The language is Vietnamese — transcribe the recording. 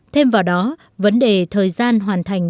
thêm vào đó vấn đề thời gian hoàn thành